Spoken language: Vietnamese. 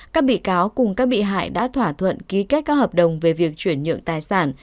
các bị cáo cùng các bị hại đã thỏa thuận ký kết các hợp đồng về việc chuyển nhượng tài sản